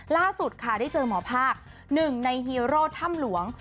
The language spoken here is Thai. ล่าสุดค่ะได้เจอหมอภาคหนึ่งในฮีโร่ถ้ำหลวง